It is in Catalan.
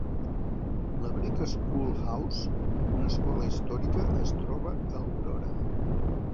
La Brick School House, una escola històrica, es troba a Aurora.